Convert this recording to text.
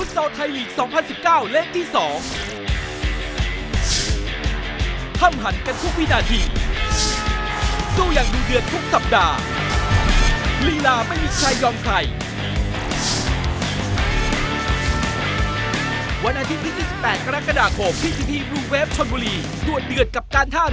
สวัสดีครับ